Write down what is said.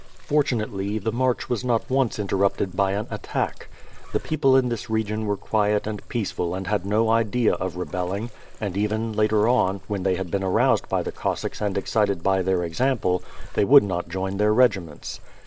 Fortunately, the march was not onoe interrupted by an at tack. The people in this region were quiet and peaceful and had no idea of rebelling and even, later on, when they had been aroused by the Cossacks and excited by their example, they would not join their regiments.